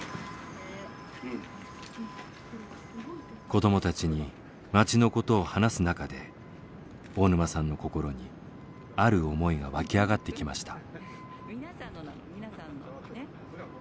子どもたちに町のことを話す中で大沼さんの心にある思いが湧き上がってきました。